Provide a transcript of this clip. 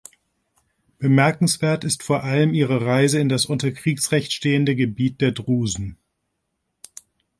Bemerkenswert ist vor allem ihre Reise in das unter Kriegsrecht stehende Gebiet der Drusen.